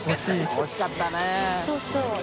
惜しかったね。┘